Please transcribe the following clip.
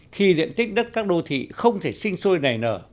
khi diện tích đất các đô thị không thể sinh sôi nảy nở